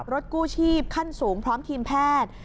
รถกู้ชีพขั้นสูงพร้อมทีมแพทย์